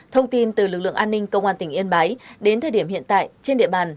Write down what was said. thông tin từ lực lượng an ninh công an tỉnh yên bái đến thời điểm hiện tại trên địa bàn